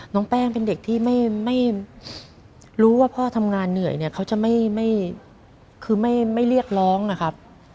น้องแป้งเป็นเด็กที่ไม่รู้ว่าพ่อทำงานเหนื่อยเนี่ยเขาจะไม่คือไม่เรียกร้องนะครับ